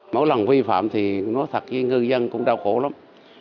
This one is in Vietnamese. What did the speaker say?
mỗi lần vi phạm thì nói thật với ngư dân cũng đau khổ lắm